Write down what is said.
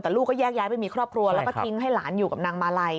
แต่ลูกก็แยกย้ายไปมีครอบครัวแล้วก็ทิ้งให้หลานอยู่กับนางมาลัย